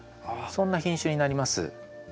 そんな品種になります。